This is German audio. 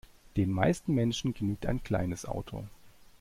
Den meisten Menschen genügt ein kleines Auto.